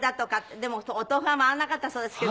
でもお豆腐は回んなかったそうですけど。